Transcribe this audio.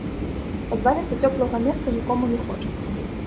Пазбавіцца цёплага месца нікому не хочацца.